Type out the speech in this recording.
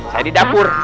saya di dapur